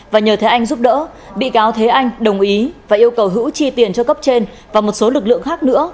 và nhờ thế anh giúp đỡ bị cáo thế anh đồng ý và yêu cầu hữu chi tiền cho cấp trên và một số lực lượng khác nữa